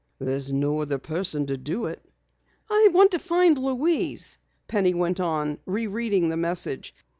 "There's no other person to do it." "I want to find Louise," Penny went on, rereading the message.